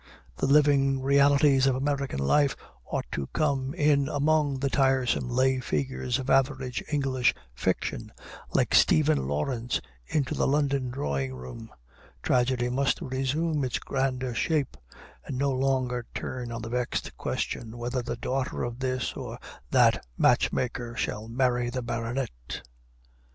The living realities of American life ought to come in among the tiresome lay figures of average English fiction like Steven Lawrence into the London drawing room: tragedy must resume its grander shape, and no longer turn on the vexed question whether the daughter of this or that matchmaker shall marry the baronet.